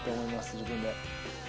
自分で。